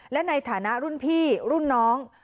และในฐานะรุ่นพี่รุ่นน้อง